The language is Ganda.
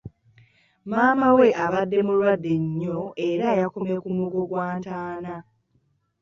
Maama we abadde mulwadde nnyo era yakomye ku mugo gwa ntaana.